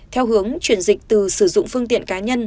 theo hướng chuyển dịch từ sử dụng phương tiện cá nhân